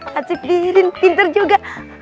hansip dirin pinter juga